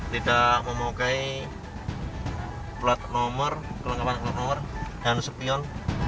tidak memukai plot nomor kelengkapan plot nomor dan supion